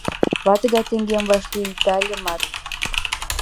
Ваты-лай таҥем вашлийылдальымат